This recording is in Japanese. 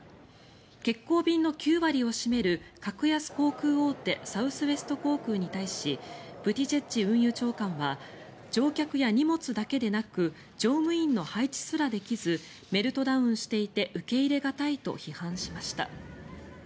欠航便の９割を占める格安航空大手サウスウエスト航空に対しブティジェッジ運輸長官は乗客や荷物だけでなく乗務員の配置すらできずメルトダウンしていて受け入れ難いと批判しました。